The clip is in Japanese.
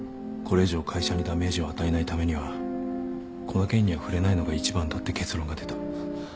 これ以上会社にダメージを与えないためにはこの件には触れないのが一番だって結論が出た。